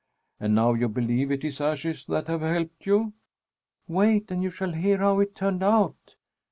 "And now you believe it is ashes that have helped you?" "Wait, and you shall hear how it turned out!